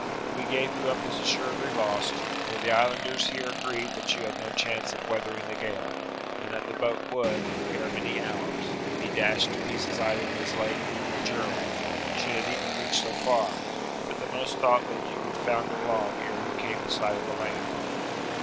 We gave you up as assuredly lost, for the islanders here agreed that you had no chance of weathering the gale, and that the boat would, ere many hours, be dashed to pieces either on Islay or Jura, should it even reach so far; but the most thought that you would founder long ere you came in sight of the land."